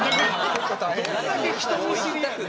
どんだけ人見知りやねん！